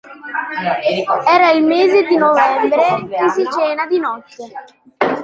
Era del mese di novembre, che si cena di notte.